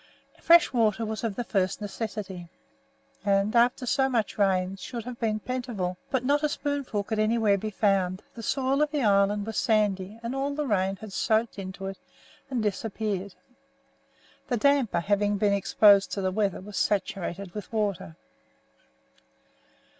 Fresh water was of the first necessity, and, after so much rain, should have been plentiful, but not a spoonful could anywhere be found: the soil of the island was sandy, and all the rain had soaked into it and disappeared. The damper having been exposed to the weather was saturated with water.